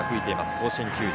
甲子園球場。